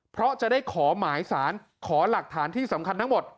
เพราะจะได้ขอหมายสารขอหลักฐานที่สำคัญทั้งหมด